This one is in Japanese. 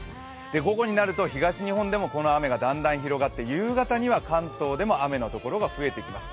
午後になると東日本でもこの雨がだんだん広がって夕方には関東でも雨のところが増えてきます。